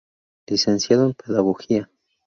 Licenciado en Pedagogía.